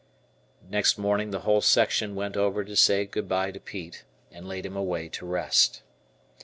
Next morning the whole section went over to say good bye to Pete, and laid him away to rest.